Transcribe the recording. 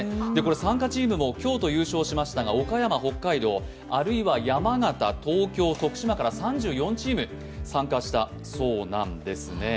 参加チームも京都、優勝しましたがあるいは山形、東京、徳島から３４チーム参加したそうなんですね。